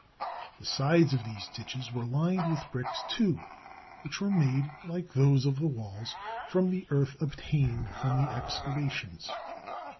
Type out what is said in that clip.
The sides of these ditches were lined with bricks too, which were made, like those of the walls, from the earth obtained from the excavations.